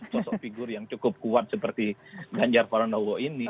sosok figur yang cukup kuat seperti ganjar paranowo ini